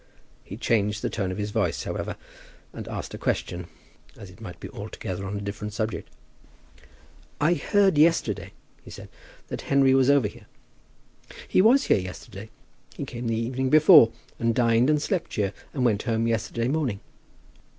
He changed the tone of his voice, however, and asked a question, as it might be altogether on a different subject. "I heard yesterday," he said, "that Henry was over here." "He was here yesterday. He came the evening before, and dined and slept here, and went home yesterday morning."